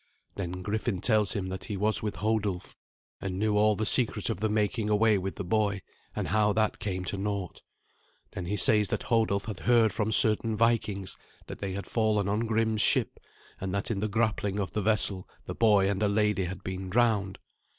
Then Griffin tells him that he was with Hodulf, and knew all the secret of the making away with the boy, and how that came to naught. Then he says that Hodulf had heard from certain Vikings that they had fallen on Grim's ship, and that in the grappling of the vessel the boy and a lady had been drowned.